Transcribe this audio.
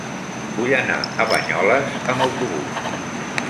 Vull anar a Banyoles amb autobús.